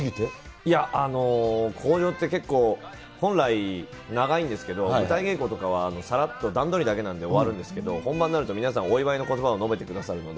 いや、口上って、本来長いんですけど、舞台稽古とかはさらっと段取りだけなんで、終わるんですけど、本番になると皆さん、お祝いのことばを述べてくださるので。